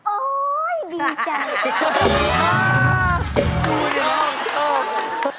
โอ้ฉ่อง